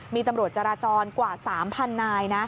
มีตำรวจจราจรกว่า๓๐๐นายนะ